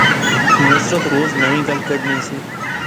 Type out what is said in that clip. نصرت روز ناوی گل کھڈنی سی